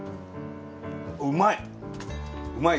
うまい！